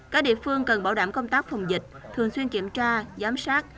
các địa phương cần bảo đảm công tác phòng dịch thường xuyên kiểm tra giám sát